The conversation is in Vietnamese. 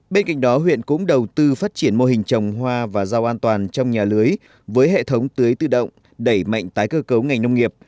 bên cạnh đó huyện cũng đầu tư phát triển mô hình trồng hoa và rau an toàn trong nhà lưới với hệ thống tưới tự động đẩy mạnh tái cơ cấu ngành nông nghiệp